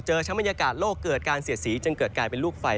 ชั้นบรรยากาศโลกเกิดการเสียดสีจึงเกิดกลายเป็นลูกไฟ